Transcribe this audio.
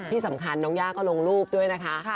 ที่สำคัญน้องย่าก็ลงรูปด้วยนะคะ